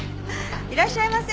いらっしゃいませ！